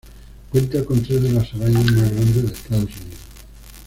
Cuenta con tres de las arañas más grandes de Estados Unidos.